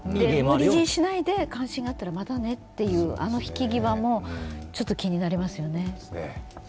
無理強いしないで関心があったら、またねというあの引き際もちょっと気になりますよね。